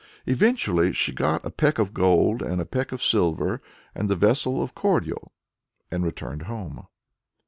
Eventually "she got a peck of gold and a peck of silver, and the vessel of cordial" and returned home.